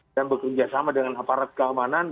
dan bekerjasama dengan aparat keamanan